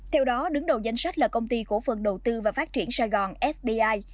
theo đó đứng đầu danh sách là công ty cổ phần đầu tư và phát triển sài gòn sdi